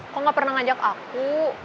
kok gak pernah ngajak aku